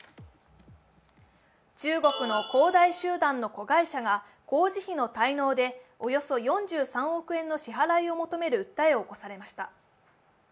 中国の恒大集団の子会社が工事費の滞納でおよそ４３億円の支払いを求める訴えを起こされました。